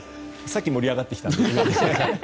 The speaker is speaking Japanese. さっき盛り上がってきたので。